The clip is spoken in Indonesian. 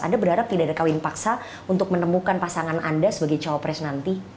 anda berharap tidak ada kawin paksa untuk menemukan pasangan anda sebagai cawapres nanti